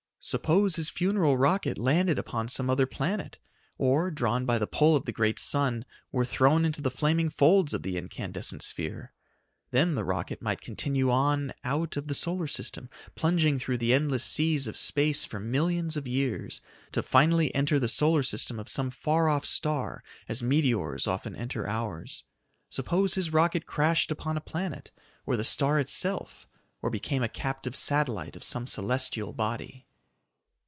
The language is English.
Suppose his funeral rocket landed upon some other planet or, drawn by the pull of the great sun, were thrown into the flaming folds of the incandescent sphere? Then the rocket might continue on out of the solar system, plunging through the endless seas of space for millions of years, to finally enter the solar system of some far off star, as meteors often enter ours. Suppose his rocket crashed upon a planet, or the star itself, or became a captive satellite of some celestial body?